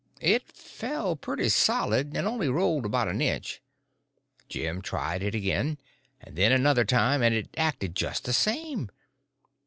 It fell pretty solid, and only rolled about an inch. Jim tried it again, and then another time, and it acted just the same.